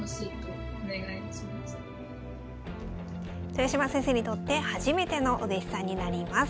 豊島先生にとって初めてのお弟子さんになります。